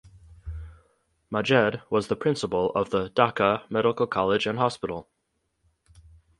Majed was the principal of the Dhaka Medical College and Hospital.